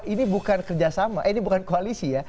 ini bukan kerjasama ini bukan koalisi ya